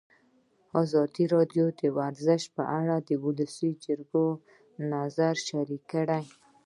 ازادي راډیو د ورزش په اړه د ولسي جرګې نظرونه شریک کړي.